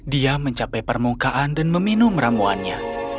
dia mencapai permukaan dan meminum ramuannya